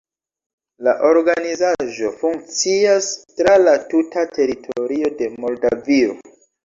La organizaĵo funkcias tra la tuta teritorio de Moldavio.